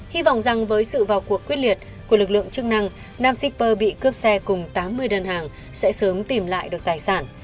hy vọng rằng với sự vào cuộc quyết liệt của lực lượng chức năng nam shipper bị cướp xe cùng tám mươi đơn hàng sẽ sớm tìm lại được tài sản